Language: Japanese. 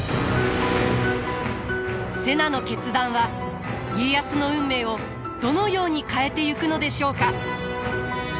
瀬名の決断は家康の運命をどのように変えてゆくのでしょうか？